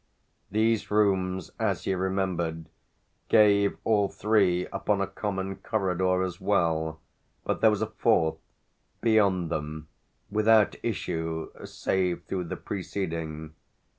These rooms, as he remembered, gave all three upon a common corridor as well, but there was a fourth, beyond them, without issue save through the preceding.